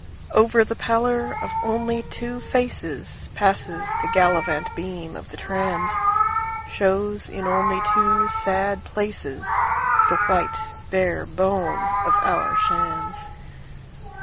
Over the pallor of only two facesPasses the gallivant beam of the trams; Shows in only two sad placesThe white bare bone of our shams.